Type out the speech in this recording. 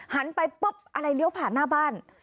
ไปปุ๊บอะไรเลี้ยวผ่านหน้าบ้าน